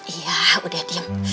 iya udah diem